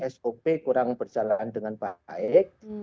sop kurang berjalan dengan baik